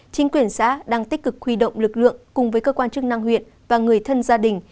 chính quyền xã đang tích cực huy động lực lượng cùng với cơ quan chức năng huyện và người thân gia đình